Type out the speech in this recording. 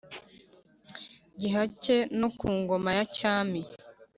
gihake no ku ngoma ya cyami.